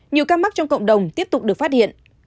nhiều ca mắc trong cộng đồng tiếp tục được phát hiện